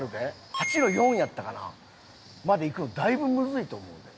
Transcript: ８−４やったかな？まで行くのだいぶむずいと思うで。